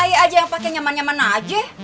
ayah aja yang pakai nyaman nyaman aja